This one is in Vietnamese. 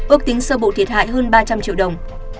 ước tính sơ bộ thiệt hại hơn ba trăm linh triệu đồng